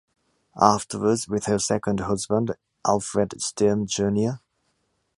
Afterwards, with her second husband Alfred Stern Jr.